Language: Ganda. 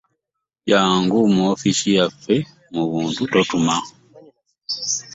Jangu ku woofiisi yaffe mu buntu totuma.